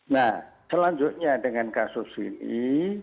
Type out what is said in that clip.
nah selanjutnya dengan kasus ini